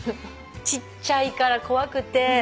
ちっちゃいから怖くて。